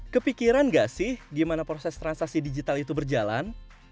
kepikiran gak sih gimana proses transaksi digital itu berjalan